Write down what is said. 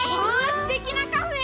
すてきなカフェ！